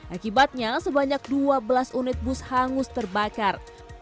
akibatnya sebanyak dua belas unit bus hangus terbakar